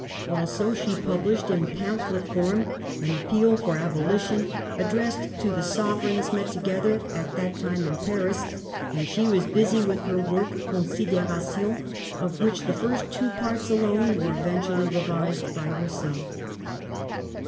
Also she pub lished, in pamphlet form, an appeal for Abolition addressed to the Sovereigns met together at that time in Paris ; and she was busy with her work, Considerations, of which the first two parts alone were eventually revised by herself.